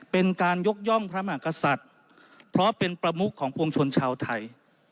เป็นการยกย่องพระมหากษัตริย์เพราะเป็นประมุขของปวงชนชาวไทย